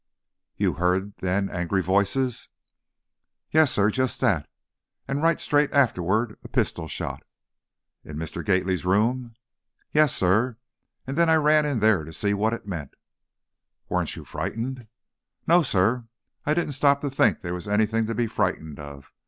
"You heard, then, angry voices?" "Yes, sir, just that. And right straight afterward, a pistol shot." "In Mr. Gately's room?" "Yes, sir. And then I ran in there to see what it meant, " "Weren't you frightened?" "No, sir; I didn't stop to think there was anything to be frightened of.